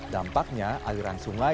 dampaknya aliran sungai